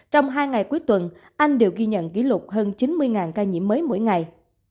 trong hai ngày cuối tuần anh đều ghi nhận kỷ lục hơn chín mươi ca nhiễm mới mỗi ngày